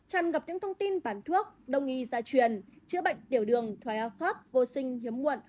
chẳng gặp những thông tin bán thuốc đồng ý gia truyền chữa bệnh tiểu đường thói áo khớp vô sinh hiếm muộn